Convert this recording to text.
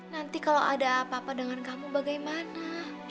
nanti kalau ada apa apa dengan kamu bagaimana